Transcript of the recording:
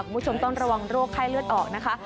คุณผู้ชมต้องระวังโรคไข้เลือดออกนะคะ